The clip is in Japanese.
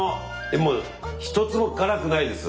でも一つも辛くないです。